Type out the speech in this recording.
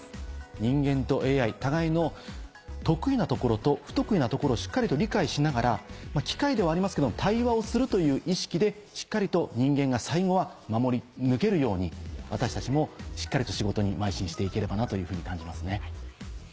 人間とＡＩ互いの得意なところと不得意なところをしっかりと理解しながら機械ではありますけども対話をするという意識でしっかりと人間が最後は守り抜けるように私たちもしっかりと仕事にまい進していければなというふうに感じますね。